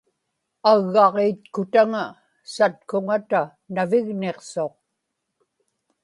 aggaġiitkutaŋa satkuŋata navigniqsuq